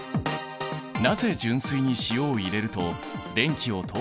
なぜ純水に塩を入れると電気を通したのか。